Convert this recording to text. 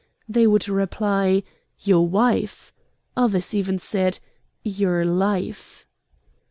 they would reply, "Your wife!" Others even said, "Your life!"